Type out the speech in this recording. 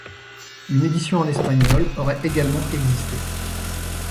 Une édition en espagnol aurait également existé.